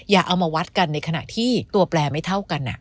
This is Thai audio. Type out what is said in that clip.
อย่าเอามาวัดกันในขณะที่ตัวแปลไม่เท่ากัน